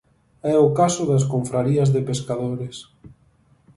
É o caso das confrarías de pescadores.